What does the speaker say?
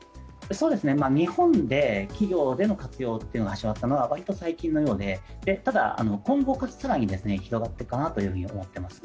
日本で企業での活用が始まったのは割と最近のようで、ただ、今後更に広がっていくと思ってます。